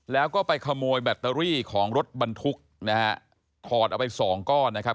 แล้วก็ไปขโมยแบตเตอรี่ของรถบรรทุกนะฮะถอดเอาไปสองก้อนนะครับ